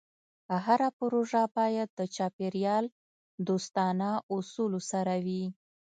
هره پروژه باید د چاپېریال دوستانه اصولو سره وي.